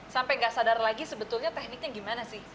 sampai gak sadar lagi sebetulnya tekniknya gimana sih